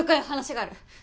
話がある。